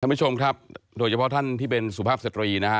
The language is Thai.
ผู้ชมครับโดยเฉพาะท่านที่เป็นสุภาพสตรีนะฮะ